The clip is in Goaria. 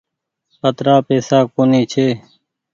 اترآ پئيسا ڪونيٚ ڇي۔